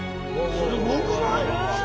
すごくない？